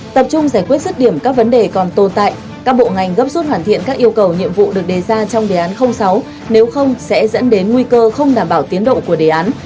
tập trung giải quyết rứt điểm các vấn đề còn tồn tại các bộ ngành gấp rút hoàn thiện các yêu cầu nhiệm vụ được đề ra trong đề án sáu nếu không sẽ dẫn đến nguy cơ không đảm bảo tiến độ của đề án